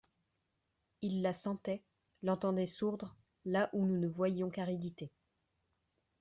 Il la sentait, l'entendait sourdre, là où nous ne voyions qu'aridité.